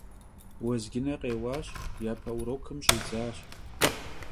Vuezcıne khêuaş, yape vurokım ş'idzaş.